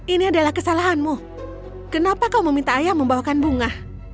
ini adalah kesalahanmu kenapa kau meminta ayah membawakan bunga